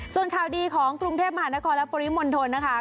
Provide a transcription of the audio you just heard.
ส่วนข่าวดีของกรุงเทพมหานครและปริมณฑลนะคะ